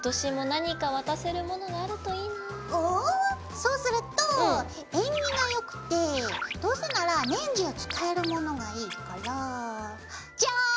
そうすると縁起がよくてどうせなら年中使えるものがいいからじゃん！